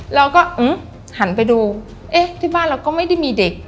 เราก็หันไปดูเอ๊ะที่บ้านเราก็ไม่ได้มีเด็ก